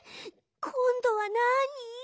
こんどはなに？